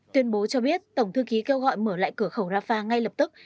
tuyên bố cho biết tổng thư ký kêu gọi mở lại cửa khẩu rafah ngay lập tức